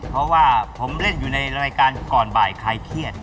เพราะว่าผมเล่นอยู่ในรายการก่อนบ่ายคลายเครียด